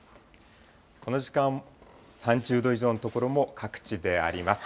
この時間、３０度以上の所も各地であります。